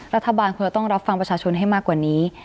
รัฐบาลควรจะต้องรับฟังประชาชนให้มากกว่านี้